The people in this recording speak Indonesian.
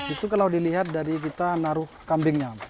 itu kalau dilihat dari kita naruh kambingnya